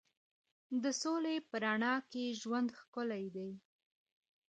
د سولې په رڼا کې ژوند ښکلی دی.